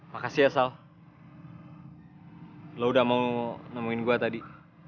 makasih ya sal lo udah mau nemuin gue tadi